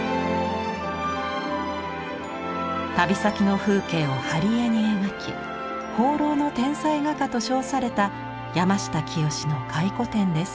旅先の風景を貼絵に描き放浪の天才画家と称された山下清の回顧展です。